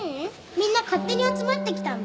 みんな勝手に集まってきたんだ。